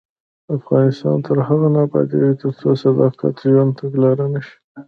افغانستان تر هغو نه ابادیږي، ترڅو صداقت د ژوند تګلاره نشي.